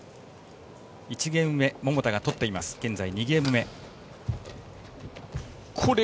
１ゲーム目桃田が取って現在２ゲーム目。